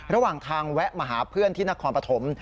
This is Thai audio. ระหว่างทางแวะมาหาเพื่อนที่นครปฐม